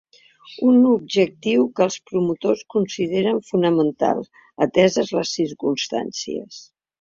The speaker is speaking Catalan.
Un objectiu que els promotors consideren fonamental, ateses les circumstàncies.